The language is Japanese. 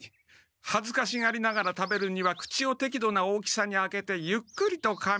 はずかしがりながら食べるには口をてきどな大きさに開けてゆっくりとかみ